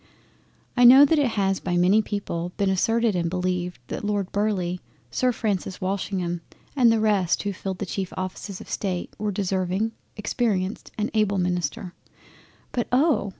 I know that it has by many people been asserted and beleived that Lord Burleigh, Sir Francis Walsingham, and the rest of those who filled the cheif offices of State were deserving, experienced, and able Ministers. But oh!